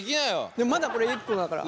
でもまだこれ一個だから。